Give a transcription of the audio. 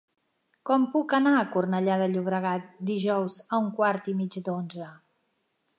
Com puc anar a Cornellà de Llobregat dijous a un quart i mig d'onze?